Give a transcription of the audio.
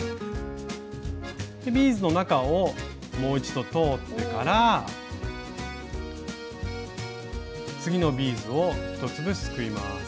ビーズの中をもう一度通ってから次のビーズを１粒すくいます。